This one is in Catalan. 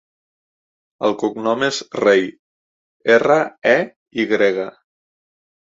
El cognom és Rey: erra, e, i grega.